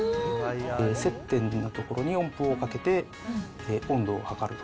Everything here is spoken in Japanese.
接点の所に温風をかけて、温度を測ると。